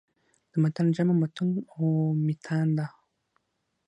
د متن جمع "مُتون" او "مِتان" ده.